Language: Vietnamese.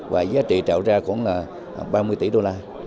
và giá trị trạo ra khoảng là ba mươi tỷ đô la